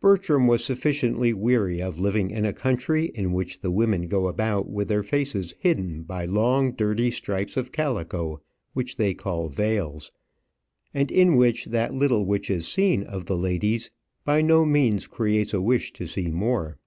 Bertram was sufficiently weary of living in a country in which the women go about with their faces hidden by long dirty stripes of calico, which they call veils, and in which that little which is seen of the ladies by no means creates a wish to see more.